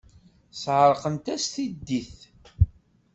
Sɛerqent-as tiddit.